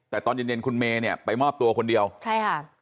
แต่ตอนเย็นเย็นคุณเมย์เนี่ยไปมอบตัวคนเดียวใช่ค่ะ